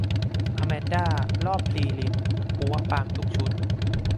อแมนด้า รอบพรีลิม ปั๊วะปังทุกชุด